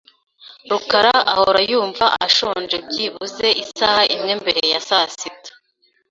rukara ahora yumva ashonje byibuze isaha imwe mbere ya sasita .